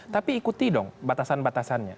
tapi ikuti dong batasan batasannya